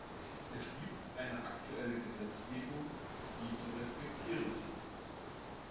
Es gibt eine aktuelle Gesetzgebung, die zu respektieren ist.